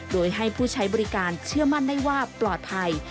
โดยให้ผู้ใช้บริการเชื่อมั่นได้ว่าปลอดภัย